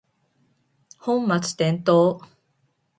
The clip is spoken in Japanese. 本末転倒